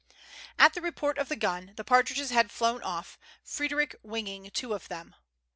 " At the report of the gun the partridges had flown off, Frederic winging two of them.